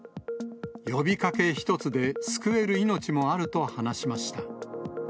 呼びかけ一つで救える命もあると話しました。